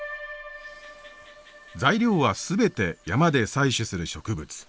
材料は全て山で採取する植物。